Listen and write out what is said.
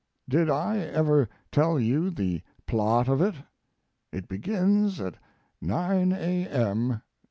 Did I ever tell you the plot of it? It begins at 9 A.M.